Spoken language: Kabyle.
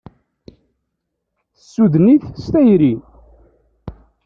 Tessuden-it s tayri.